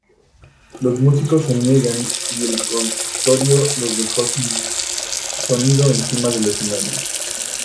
Los músicos se niegan y el consistorio los dejó sin sonido encima del escenario.